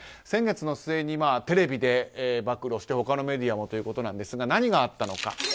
先月の末にテレビで暴露して他のメディアもということですが何があったのか。